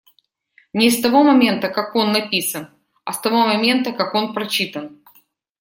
Не с того момента как он написан, а с того момента, как он прочитан.